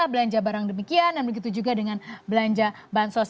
belanja barang demikian dan begitu juga dengan belanja bansos